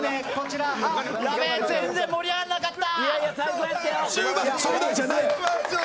やべえ全然盛り上がらなかった！